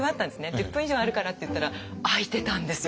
１０分以上あるからって言ったら開いてたんですよ